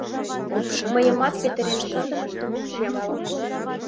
Мыйымат петырен шындымыштым вучем мо?